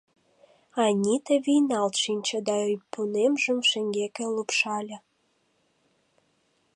Анита вийналт шинче да ӱппунемжым шеҥгеке лупшале.